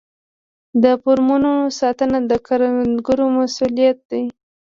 د فارمونو ساتنه د کروندګر مسوولیت دی.